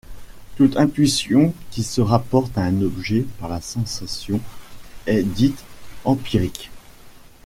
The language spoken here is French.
Toute intuition qui se rapporte à un objet par la sensation est dite empirique.